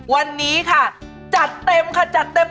วันนี้ค่ะจัดเต็มค่ะจัดเต็ม